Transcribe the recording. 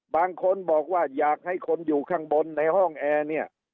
บางคนบอกว่าอยากให้คนอยู่ข้างบนในห้องแอร์เนี่ย